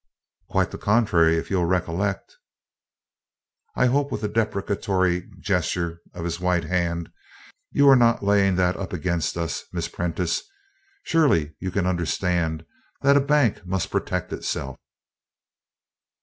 "Quite the contrary, if you'll recollect." "I hope," with a deprecatory gesture of his white hand, "you are not laying that up against us, Miss Prentice? Surely you can understand that a bank must protect itself."